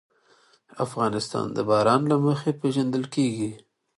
افغانستان د باران له مخې پېژندل کېږي.